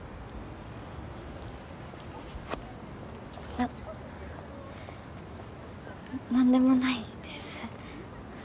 な何でもないです。